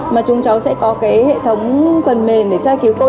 mà chúng cháu sẽ có cái hệ thống phần mềm để trai cứu cô